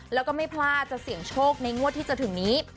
แล้วก็ไม่พลาดจะเสี่ยงโชคในงวดที่จะถึงนี้